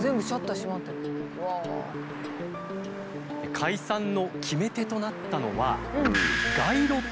解散の決め手となったのは街路灯？